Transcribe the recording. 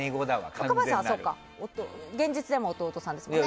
若林さんは現実でも弟さんですもんね。